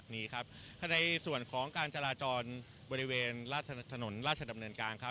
ในส่วนของการจาระจรบริเวณถนนราชดำเนินกลาง